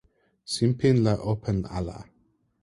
sinpin li open ala.